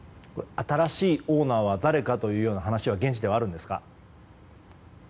新しいオーナーは誰かというような話は現地ではあるんですか？